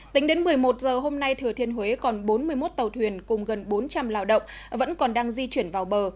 tính đến một mươi một giờ hôm nay thừa thiên huế còn bốn mươi một tàu thuyền cùng gần bốn trăm linh lao động vẫn còn đang di chuyển vào bờ